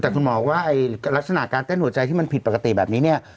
แต่คุณหมอว่าลักษณะการเต้นหัวใจที่มันผิดปกติแบบนี้เนี่ย